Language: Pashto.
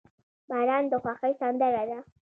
• باران د خوښۍ سندره ده.